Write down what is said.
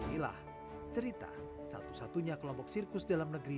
inilah cerita satu satunya kelompok sirkus dalam negeri